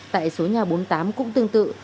tại số nhà bốn mươi tám cũng tương tự